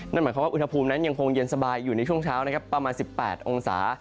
นั่นหมายความว่าอุณหภูมินั้นยังคงเย็นสบายอยู่ในช่วงเช้านะครับประมาณ๑๘องศา